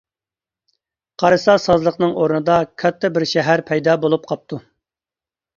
قارىسا سازلىقنىڭ ئورنىدا كاتتا بىر شەھەر پەيدا بولۇپ قاپتۇ.